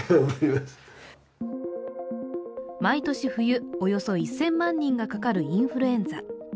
毎年冬、およそ１０００万人がかかるインフルエンザ。